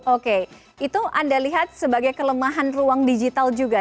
oke itu anda lihat sebagai kelemahan ruang digital juga